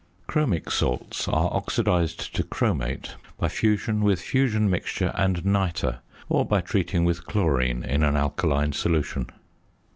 Chromic salts are oxidised to chromate by fusion with "fusion mixture" and nitre, or by treating with chlorine in an alkaline solution.